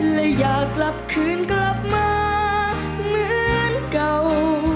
และอยากกลับคืนกลับมาเหมือนเก่า